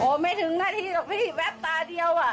ไม่ถึงนาทีหรอกพี่แวบตาเดียวอ่ะ